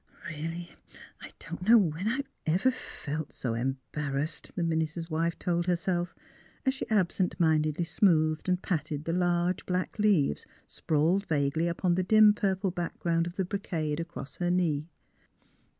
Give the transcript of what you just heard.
*' Really, I don't know when I've ever felt so embarrassed," the minister's wife told herself, as she absent mindedly smoothed and patted the large black leaves sprawled vaguely upon the dim purple background of the brocade across her knee.